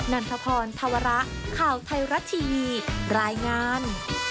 นันทพรธวระข่าวไทยรัฐทีวีรายงาน